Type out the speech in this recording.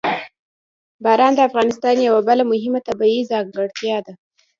باران د افغانستان یوه بله مهمه طبیعي ځانګړتیا ده.